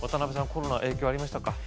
コロナ影響ありましたか？